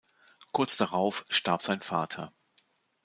Kurz darauf starb sein Vater.